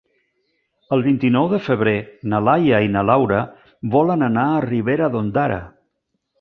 El vint-i-nou de febrer na Laia i na Laura volen anar a Ribera d'Ondara.